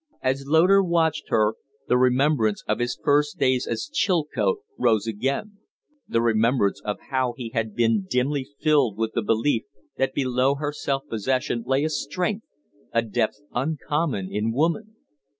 As Loder watched her the remembrance of his first days as Chilcote rose again; the remembrance of how he had been dimly filled with the belief that below her self possession lay a strength a depth uncommon in woman.